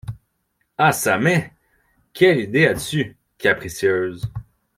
Ah çà mais ! quelle idée as-tu, capricieuse